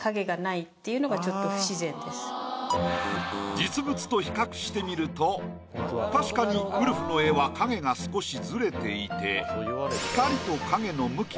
実物と比較してみると確かにウルフの絵は影が少しズレていて。